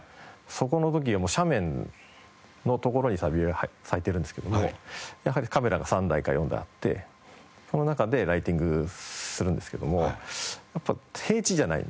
そこの時はもう斜面のところにサルビア咲いてるんですけどもやはりカメラが３台か４台あってその中でライティングするんですけどもやっぱ平地じゃないんですね。